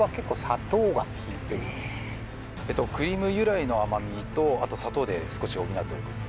クリーム由来の甘みとあと砂糖で少し補っております